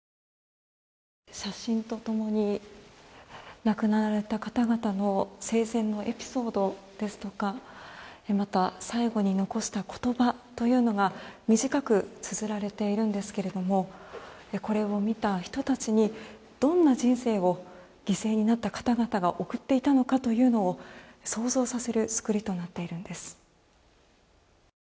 写真と共に亡くなられた方々の生前のエピソードですとかまた最後に残した言葉というのが短くつづられているんですがこれを見た人たちにどんな人生を犠牲になった方々が送っていたのかというのを想像させる作りとなっているんです。